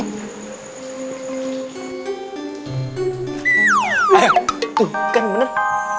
tuh kan bener